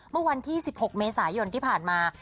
เมื่อวันที่๑๖เมษายนที่ผ่านมา